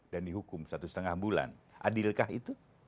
dan dihukum satu setengah bulan adilkah itu